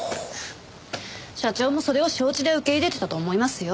社長もそれを承知で受け入れてたと思いますよ。